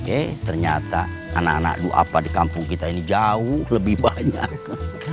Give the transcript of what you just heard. eh ternyata anak anak dua apa di kampung kita ini jauh lebih banyak